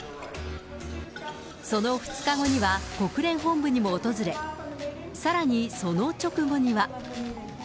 その２日後には、国連本部にも訪れ、さらにその直後には。